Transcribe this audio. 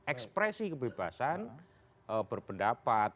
ekspresi kebebasan berpendapat